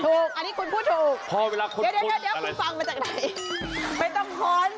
ถูกอันนี้คุณพูดถูกเดี๋ยวคุณฟังมันจากไหนไม่ต้องพ้น